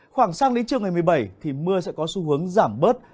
khoảng sang đến chiều ngày một mươi bảy thì mưa sẽ có xu hướng giảm bớt